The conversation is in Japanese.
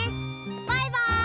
バイバイ！